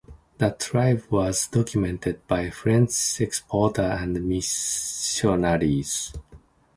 The tribe was documented by French explorers and missionaries.